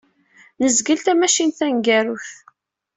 Nezgel tamacint taneggarut.